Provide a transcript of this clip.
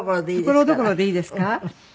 ところどころでいいですか？